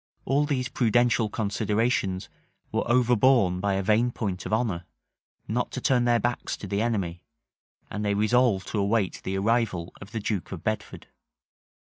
All these prudential considerations were overborne by a vain point of honor, not to turn their backs to the enemy; and they resolved to await the arrival of the duke of Bedford.